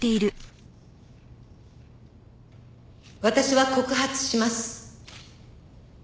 「私は告発します」